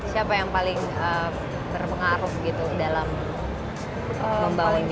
siapa yang paling berpengaruh gitu dalam membangun ini